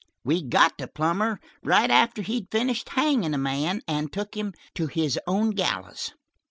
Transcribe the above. We got to Plummer right after he'd finished hangin' a man, and took him to his own gallows."